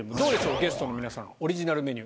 ゲストの皆さんオリジナルメニュー。